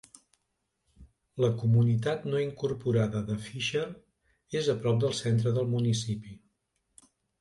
La comunitat no incorporada de Fisher és a prop del centre del municipi.